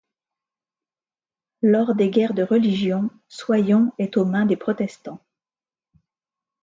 Lors des guerres de religion, Soyons est aux mains des Protestants.